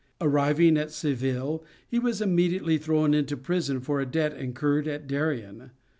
Arriving at Seville, he was immediately thrown into prison for a debt incurred at Darien.